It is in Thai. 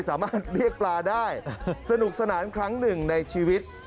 สามารถเรียกปลาได้สนุกสนานครั้งหนึ่งในชีวิต